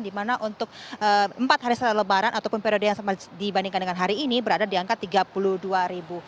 di mana untuk empat hari setelah lebaran ataupun periode yang sama dibandingkan dengan hari ini berada di angka tiga puluh dua ribu